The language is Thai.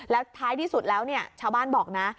แล้วท้ายที่สุดแล้วเนี่ยชาวบ้านบอกนะ